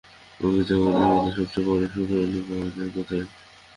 উদ্ভিদজগতের মধ্যে সবচেয়ে বড় শুক্রাণু পাওয়া যায় কোথায়?